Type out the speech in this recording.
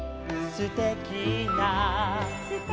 「すてきな」